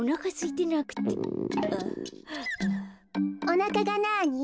おなかがなに？